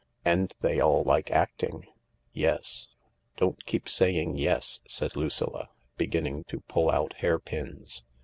"And they all like acting." "Yes." "Don't keep saying 'Yes,'" said Lucilla, beginning to pull out hairpins.